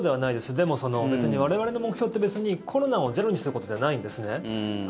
でも、我々の目標って別にコロナをゼロにすることではないんですね。